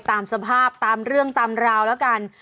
ตามสภาพตามเรื่องตามราวแล้วกัน